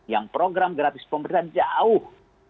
yang program gratis pemerintah jauh